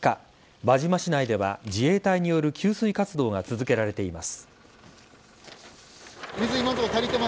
輪島市内では自衛隊による給水活動が続けられています。